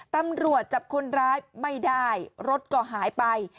ตำรวจจับคนร้ายไม่ได้รถก็หายไป